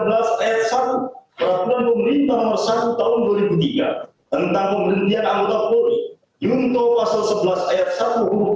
peraturan pemerintah nomor satu tahun dua ribu tiga tentang pemerintahan anggota polri juntuh pasal sebelas ayat satu huruf b